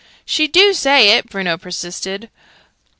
"She do say it," Bruno persisted.